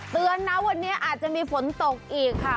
เตือนนะวันนี้อาจจะมีฝนตกอีกค่ะ